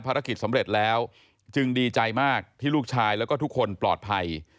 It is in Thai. ภารกิจสำเร็จแล้วจึงดีใจมากที่ลูกชายแล้วก็ทุกคนปลอดภัย